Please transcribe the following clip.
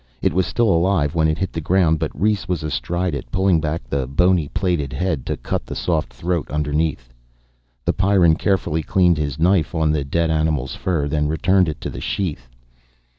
It was still alive when it hit the ground, but Rhes was astraddle it, pulling back the bony plated head to cut the soft throat underneath. The Pyrran carefully cleaned his knife on the dead animal's fur, then returned it to the sheath.